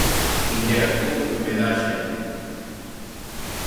Interactúo co que me dá a xente.